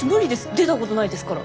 出たことないですから。